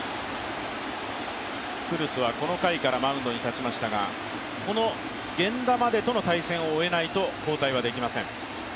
クルスはこの回からマウンドに立ちましたが、この源田までとの対戦を終えないと交代はできません。